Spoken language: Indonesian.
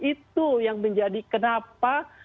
itu yang menjadi kenapa